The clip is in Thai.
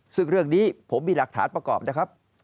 ซึ่งเรื่องนี้ผมมีหลักฐานประกอบนะครับ